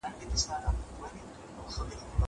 کېدای سي تمرين ستړي وي!